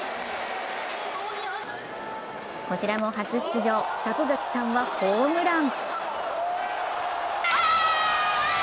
こちらも初出場、里崎さんはホームラン。